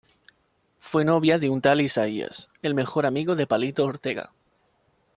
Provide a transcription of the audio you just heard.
Fue novia de un tal Isaías, el mejor amigo de Palito Ortega.